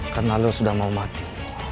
karena lu sudah mau mati